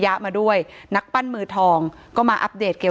ถ้าใครอยากรู้ว่าลุงพลมีโปรแกรมทำอะไรที่ไหนยังไง